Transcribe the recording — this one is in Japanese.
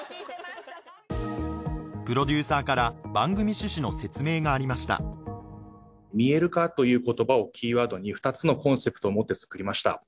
プロデューサーから番組趣旨の説明がありました見える化という言葉をキーワードに２つのコンセプトを持って作りました。